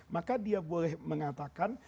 maka dia boleh mengatakan